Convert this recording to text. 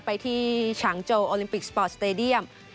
ไปที่ฉางโจโอลิมปิกสปอร์ตสเตดียม